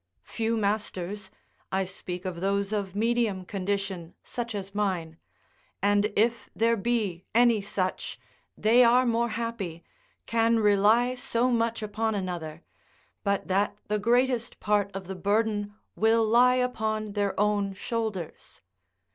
Few masters (I speak of those of medium condition such as mine), and if there be any such, they are more happy, can rely so much upon another, but that the greatest part of the burden will lie upon their own shoulders.